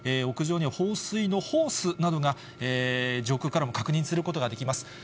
屋上には放水のホースなどが上空からも確認することができます。